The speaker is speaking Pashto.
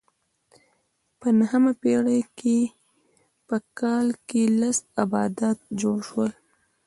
په نهمه پېړۍ کې په کال کې لس آبدات جوړ شول